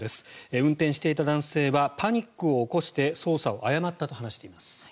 運転していた男性はパニックを起こして操作を誤ったと話しています。